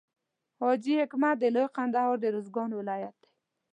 حاجي حکمت د لوی کندهار د روزګان ولایت دی.